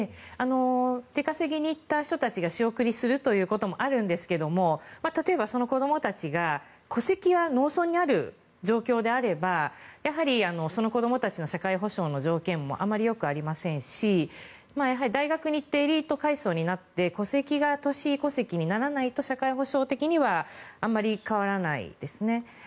出稼ぎに行った人たちが仕送りするということもあるんですが例えばその子どもたちが戸籍は農村にある状況であればやはりその子どもたちの社会保障の条件もあまりよくありませんし大学に行ってエリート階層になって戸籍が都市戸籍にならないと社会保障的にはあまり変わらないですね。